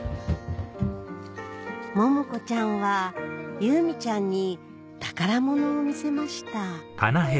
萌々子ちゃんは遊心ちゃんに宝物を見せましたうわ